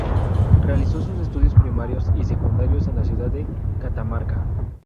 Realizó sus estudios primarios y secundarios en la ciudad de Catamarca.